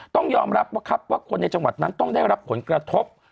ต้องยอมรับว่าครับว่าคนในจังหวัดนั้นต้องได้รับผลกระทบ